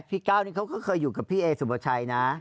พี่ก้าวนี่เขาก็เคยอยู่กับพี่เอสุภาชัยนะ